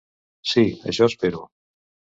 Sí, això espero.